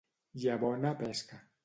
Hi ha bona pesca.